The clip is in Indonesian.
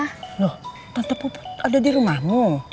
lho tante puput ada dirumahmu